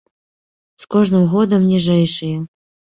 З кожным годам ніжэйшыя.